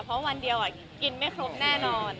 เพราะวันเดียวกินไม่ครบแน่นอน